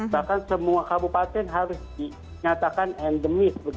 bahkan semua kabupaten harus dinyatakan endemik